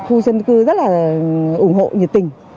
khu dân cư rất là ủng hộ nhiệt tình